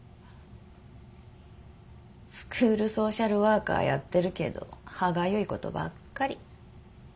スクールソーシャルワーカーやってるけど歯がゆいことばっかり。